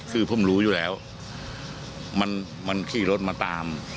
คือผมรู้อยู่แล้วมันขี่รถมาตาม